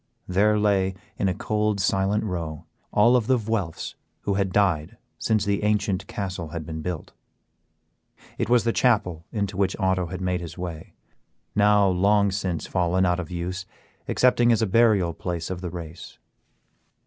There lay, in a cold, silent row, all of the Vuelphs who had died since the ancient castle had been built. It was the chapel into which Otto had made his way, now long since fallen out of use excepting as a burial place of the race.